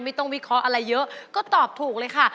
วิเคราะห์อะไรเยอะก็ตอบถูกเลยค่ะ